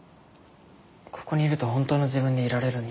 ここにいると本当の自分でいられるんだ。